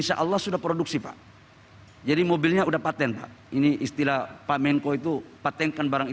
khususnya keperluan ekonomi dan teknologi